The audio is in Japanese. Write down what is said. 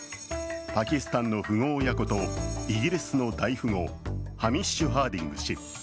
パキスタンの富豪親子とイギリスの大富豪ハミッシュ・ハーディング氏。